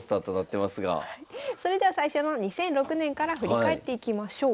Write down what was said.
それでは最初の２００６年から振り返っていきましょう。